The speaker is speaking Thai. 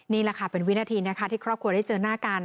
นี่แหละค่ะเป็นวินาทีนะคะที่ครอบครัวได้เจอหน้ากัน